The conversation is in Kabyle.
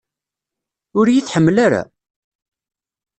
Ur iyi-tḥemmel ara?